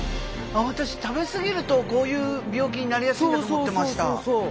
私食べ過ぎるとこういう病気になりやすいんだと思ってました。